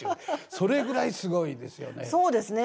それぐらいすごいですよね。